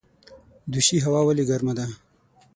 دوشي هوا ولې ګرمه ده؟